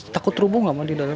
takut terubung nggak mak di dalam